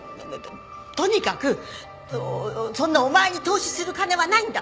とにかくそんなお前に投資する金はないんだ。